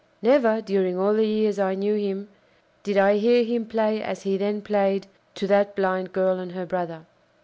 Never, during all the years I knew him, did I hear him play as he then played to that blind girl and her brother.